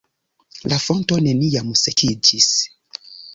La fonto neniam sekiĝis.